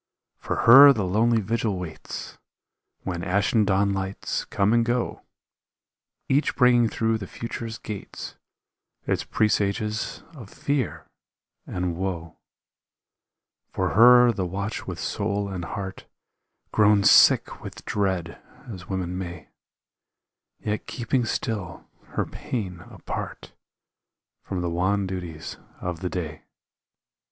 For her the lonely vigil waits When ashen dawnlights come and go, Each bringing through the future's gates Its presages of fear and woe; For her the watch with soul and heart Grown sick with dread, as women may, Yet keeping still her pain apart From the wan duties of the day.